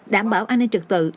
đảm bảo an ninh trật tự